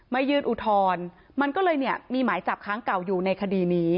ยื่นอุทธรณ์มันก็เลยเนี่ยมีหมายจับค้างเก่าอยู่ในคดีนี้